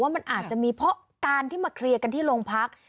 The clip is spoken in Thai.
มันอาจจะมีเพราะการที่มาเคลียร์กันที่โรงพัก